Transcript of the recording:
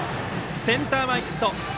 センター前ヒット。